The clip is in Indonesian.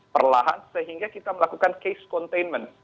perlahan sehingga kita melakukan case containment